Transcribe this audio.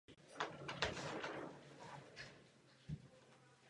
Studoval na gymnáziu v Banské Bystrici a na učitelském ústavu v Banské Štiavnici.